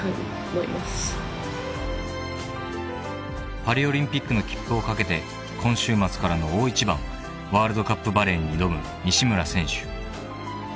［パリオリンピックの切符をかけて今週末からの大一番ワールドカップバレーに挑む西村選手］